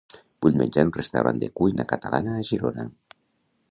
Vull menjar en un restaurant de cuina catalana a Girona.